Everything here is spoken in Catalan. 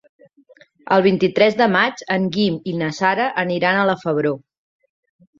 El vint-i-tres de maig en Guim i na Sara aniran a la Febró.